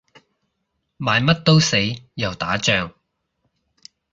買乜都死，又打仗